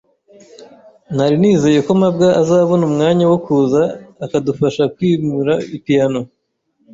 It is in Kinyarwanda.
Nari nizeye ko mabwa azabona umwanya wo kuza akadufasha kwimura piyano.